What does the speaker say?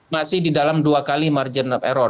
masih di dalam dua kali margin of error